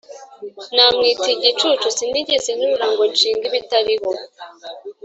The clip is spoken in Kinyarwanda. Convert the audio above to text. Namwita igicucu Sinigeze nterura Ngo nshinge ibitariho;